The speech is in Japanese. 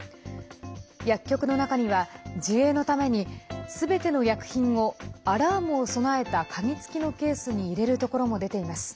薬局の中には自衛のためにすべての薬品をアラームを備えた鍵つきのケースに入れるところも出ています。